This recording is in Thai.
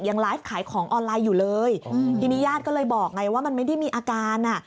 ยังไลฟ์ขายของออนไลน์อยู่เลยทีนี้ญาติก็เลยบอกไงว่ามันไม่ได้มีอาการอ่ะ